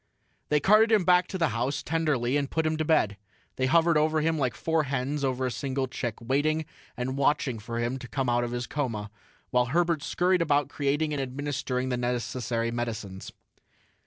They carted him back to the house, tenderly, and put him to bed. They hovered over him like four hens over a single chick, waiting and watching for him to come out of his coma, while Herbert scurried about creating and administering the necessary medicines.